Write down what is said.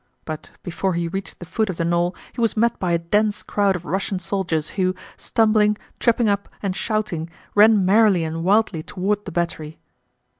But before he reached the foot of the knoll he was met by a dense crowd of Russian soldiers who, stumbling, tripping up, and shouting, ran merrily and wildly toward the battery.